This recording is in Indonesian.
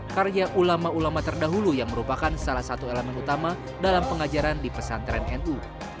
karya ulama ulama terdahulu yang merupakan salah satu elemen utama dalam pengajaran di pesantren nu